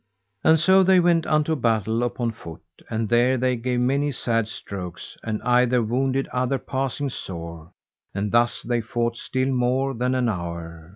And so they went unto battle upon foot, and there they gave many sad strokes, and either wounded other passing sore, and thus they fought still more than an hour.